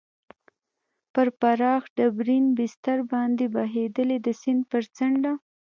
پر پراخ ډبرین بستر باندې بهېدلې، د سیند پر څنډه.